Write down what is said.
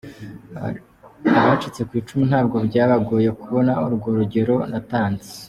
Abacitse ku icumu ntabwo byabagoye kubona urwo rugero natanze.